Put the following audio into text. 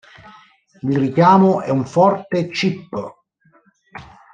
Il richiamo è un forte "chip".